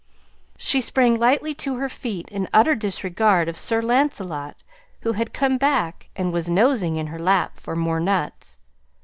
She sprang lightly to her feet in utter disregard of Sir Lancelot who had come back and was nosing in her lap for more nuts.